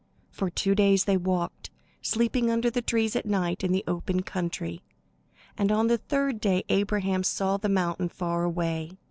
For two days they walked, sleeping under the trees at night in the open country. And on the third day Abraham saw the mountain far away.